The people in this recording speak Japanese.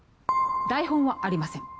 台本はありません。